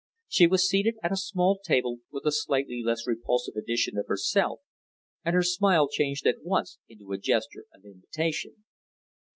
She was seated at a small table with a slightly less repulsive edition of herself, and her smile changed at once into a gesture of invitation.